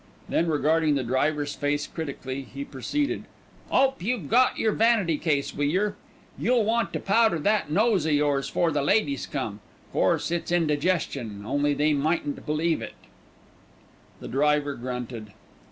Then regarding the driver's face critically, he proceeded: "'Ope you've got yer vanity case wi' yer. You'll want to powder that nose o' yours 'fore the ladies come. Course it's indigestion, only they mightn't believe it." The driver grunted.